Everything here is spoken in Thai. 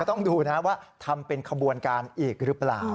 ต้องดูนะว่าทำเป็นขบวนการอีกหรือเปล่า